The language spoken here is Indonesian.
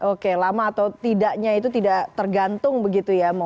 oke lama atau tidaknya itu tidak tergantung begitu ya